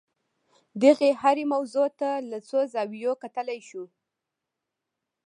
دغې هرې موضوع ته له څو زاویو کتلای شو.